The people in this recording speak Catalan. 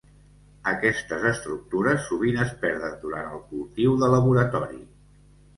Aquestes estructures sovint es perden durant el cultiu de laboratori.